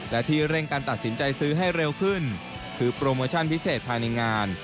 และที่เร่งการตัดสินใจซื้อให้เร็วขึ้นคือโปรโมชั่นพิเศษภายในงาน